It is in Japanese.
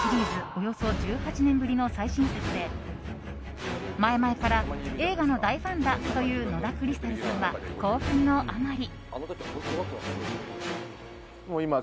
およそ１８年ぶりの最新作で前々から映画の大ファンだという野田クリスタルさんは興奮のあまり。